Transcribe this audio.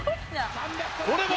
「これも！